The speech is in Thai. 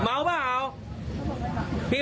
เมาปะเนี่ยพี่